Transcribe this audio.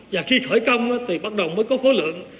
và khi khởi công thì bắt đầu mới có khối lượng